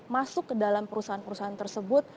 masuk ke dalam perusahaan perusahaan tersebut